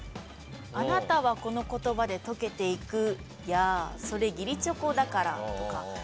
「あなたはこのことばで溶けていく」や「それ義理チョコだから」とか。